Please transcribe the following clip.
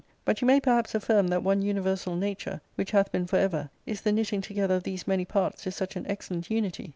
But you may perhaps affirm that one universal nature, which hath been for ever, is the knitting together of these many parts to such an excellent unity.